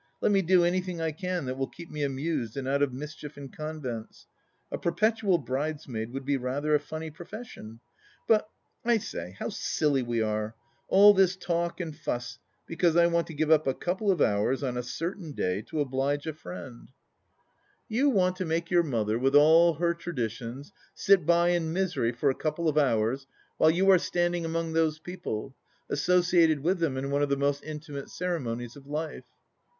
Let me do anjrthing I can that will keep me amused and out of mischief and convents. ... A Per petual Bridesmaid would be rather a funny profession. ... But I say, how silly we are 1 All this talk and fuss because I want to give up a couple of hours on a certain day to oblige a friend." 28 THE LAST DITCH " You want to make your mother, with all her traditions, sit by in misery for a couple of hours while you are standing among those people, associated with them in one of the most intimate ceremonies of life."